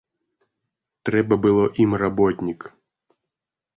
Трэба было ім работнік.